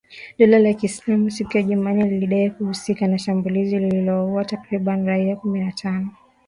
Dola la kiislamu siku ya Jumanne lilidai kuhusika na shambulizi lililouwa takribani raia kumi na tano